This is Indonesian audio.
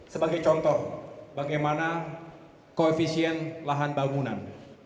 sebagai contoh bagaimana koefisien lahan bangunan